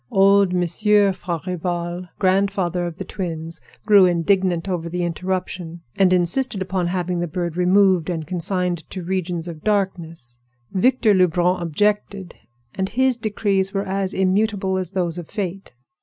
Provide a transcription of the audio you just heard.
Old Monsieur Farival, grandfather of the twins, grew indignant over the interruption, and insisted upon having the bird removed and consigned to regions of darkness. Victor Lebrun objected; and his decrees were as immutable as those of Fate.